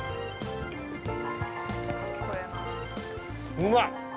うまい！